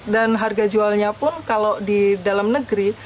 dan harga jualnya pun kalau di dalam negeri